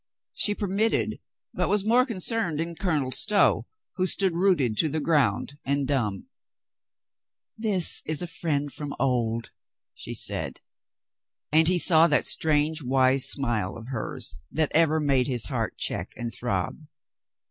She permitted, but was more con cerned in Colonel Stow, who stood rooted to the ground and dumb. "This is a friend from of old," she said, and he saw that strange, wise smile of hers that ever made his heart check and throb.